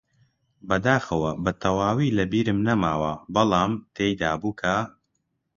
بەداخەوە بەتەواوی لەبیرم نەماوە، بەڵام تێیدابوو کە: